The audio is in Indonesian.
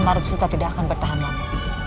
marut suta tidak akan bertahan lama